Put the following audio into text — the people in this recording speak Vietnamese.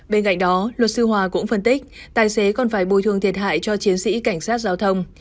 bên cạnh đó luật sư hòa cũng phân tích tài xế còn phải bồi thường thiệt hại cho chiến sĩ cảnh sát giao thông